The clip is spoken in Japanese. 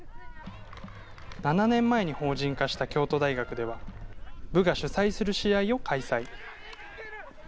７年前に法人化した京都大学では、部が主催する試合を開催。